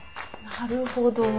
なるほど。